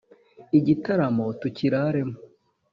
igitaramo tukiraremo